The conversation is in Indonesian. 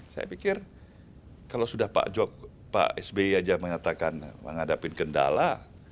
saya pikir kalau sudah pak sby saja mengatakan menghadapi kendala